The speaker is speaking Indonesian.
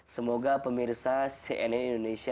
semoga pemirsa cnn indonesia